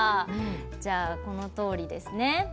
じゃあこのとおりですね。